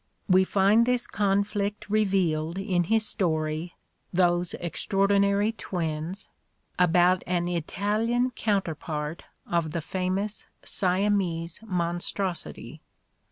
We find this conflict revealed in his story, "Those Extraordinary Twins," about an Italian counterpart of the famous Siamese monstrosity.